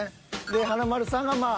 で華丸さんがまあ。